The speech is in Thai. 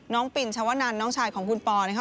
ปินชาวนันน้องชายของคุณปอนะคะ